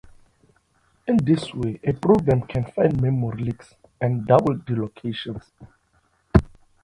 In this way a programmer can find memory leaks and double deallocations.